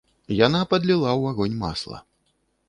Яна падліла ў агонь масла.